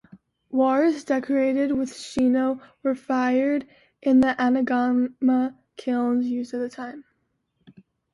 Wares decorated with Shino were fired in the Anagama kilns used at that time.